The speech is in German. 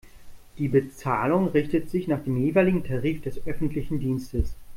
Die Bezahlung richtet sich nach dem jeweiligen Tarif des öffentlichen Dienstes.